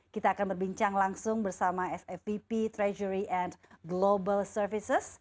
kita akan berbincang langsung bersama savp treasury and global services